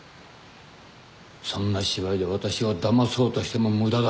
そんな芝居で私をだまそうとしても無駄だ。